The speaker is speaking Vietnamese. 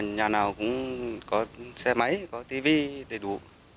nhà nào cũng có xe máy có tv đầy đủ